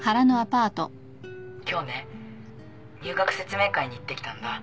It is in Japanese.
☎今日ね入学説明会に行ってきたんだ。